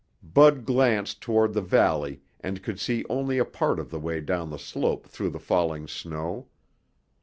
Bud glanced toward the valley and could see only a part of the way down the slope through the falling snow.